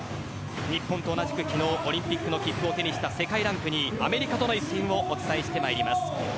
日本と同じく昨日オリンピックの切符を手にした世界ランク２位アメリカとの一戦をお伝えしてまいります。